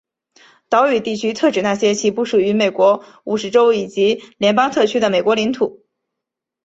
岛屿地区特指那些其不属于美国五十州以及联邦特区的美国领土。